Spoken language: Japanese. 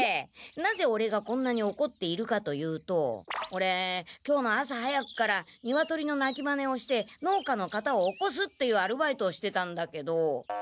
なぜオレがこんなにおこっているかというとオレ今日の朝早くからニワトリのなきまねをして農家の方を起こすっていうアルバイトをしてたんだけど。